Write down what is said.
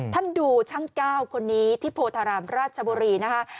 ท่านดูช่าง๙คนนี้ที่โพธารามราชบุรีนะคะ